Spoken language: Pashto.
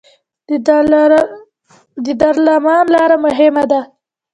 د دلارام لاره مهمه ده